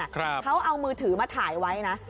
เขาเอามือถือมาถ่ายไว้นะ